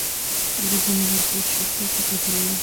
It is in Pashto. ورځنی ورزش روغتیا ته ګټه لري.